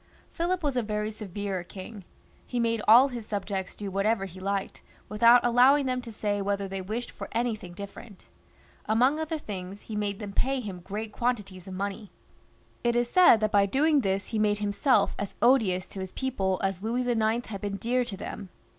Philip was a very severe king. He made all his sub XXI.] PHILIP IV. {LE BEL). 133 jects do whatever he liked, without allowing them to say whether they wished for anything dififerent Among other things, he made them pay him great quantities of money. It is said that by doing this, he made himself as odious to his people as Louis IX. had been dear to them.